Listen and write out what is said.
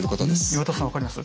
岩田さん分かります？